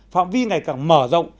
phạm vi ngày càng mở rộng